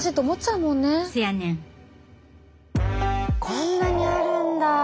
こんなにあるんだ。